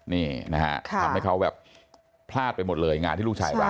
นี่นะฮะทำให้เขาแบบพลาดไปหมดเลยงานที่ลูกชายรัก